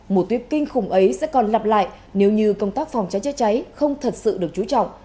mùa tuyết kinh khủng ấy sẽ còn lặp lại nếu như công tác phòng cháy chữa cháy không thật sự được chú trọng